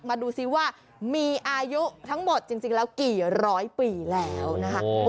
มาดูซิว่ามีอายุทั้งหมดจริงแล้วกี่ร้อยปีแล้วนะคะ